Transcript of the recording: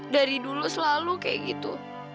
dari dulu selalu kayak gitu